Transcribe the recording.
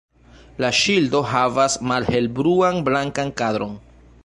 La ŝildo havas malhelbluan-blankan kadron.